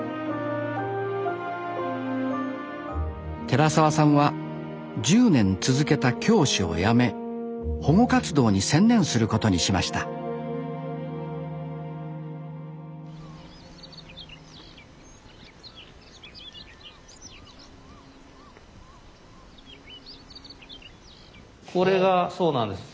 寺沢さんは１０年続けた教師を辞め保護活動に専念することにしましたこれがそうなんです。